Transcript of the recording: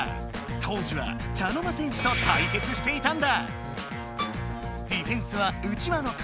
当時は茶の間戦士と対決していたんだ。